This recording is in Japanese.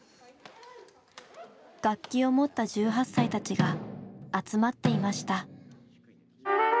楽器を持った１８歳たちが集まっていました。